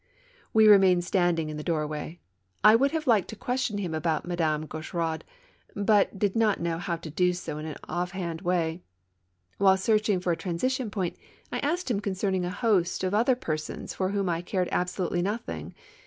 We remained standing in the doorway. I would have liked to question him about Madame Gaucheraud, but did not know how to do so in an off hand way. While searching for a transition point, I asked him concerning a host of other persons for whom I cared absolutely nothing.